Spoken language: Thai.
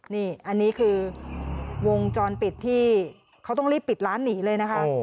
นี่อันนี้คือวงจรปิดที่เขาต้องรีบปิดร้านหนีเลยนะคะ